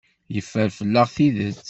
Yeffer fell-aɣ tidet.